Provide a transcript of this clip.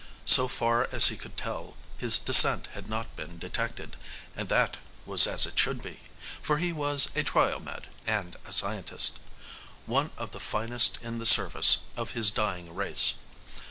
So far as he could tell, his descent had not been detected, and that was as it should be for he was a Triomed and a scientist. One of the finest in the service of his dying race.